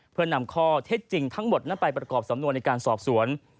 เพื่อนำข้อเท็จจริงทั้งหมดนั้นไปประกอบสำนวนในการสอบสวน